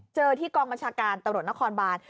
เจอที่กองบัญชาการตะโหนดนครบาน